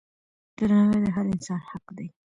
درناوی د هر انسان حق دی.